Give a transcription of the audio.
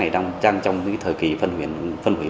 đang trong giai đoạn phân hủy